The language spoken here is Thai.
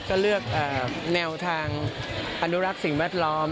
ก็เลือกแนวทางอนุรักษ์สิ่งแวดล้อม